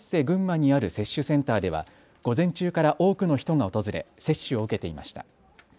群馬にある接種センターでは午前中から多くの人が訪れ接種を受けていました。